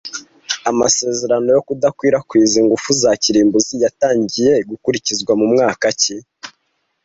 Amasezerano yo kudakwirakwiza ingufu za kirimbuzi yatangiye gukurikizwa mu mwaka ki